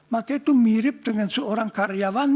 maka itu mirip dengan seorang karyawan